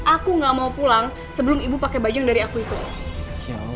aku gak mau pulang sebelum ibu pakai baju yang dari aku itu